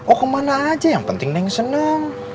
oh kemana aja yang penting neng senang